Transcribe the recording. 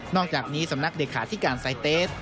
อกจากนี้สำนักเลขาธิการไซเตส